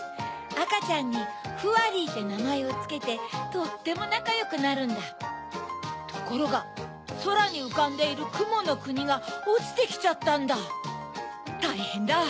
あかちゃんに「フワリー」ってなまえをつけてとってもなかよくなるんだところがそらにうかんでいるくものくにがおちてきちゃったんだたいへんだ！